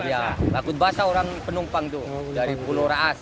iya takut basah orang penumpang itu dari pulau raas